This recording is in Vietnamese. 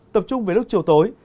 tập trung với lúc chiều tối